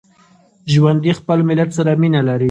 ژوندي خپل ملت سره مینه لري